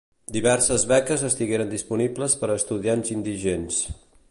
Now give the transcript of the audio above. Diverses beques estigueren disponibles per a estudiants indigents.